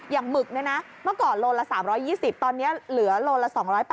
หมึกเนี่ยนะเมื่อก่อนโลละ๓๒๐ตอนนี้เหลือโลละ๒๘๐